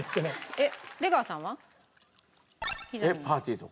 えっ？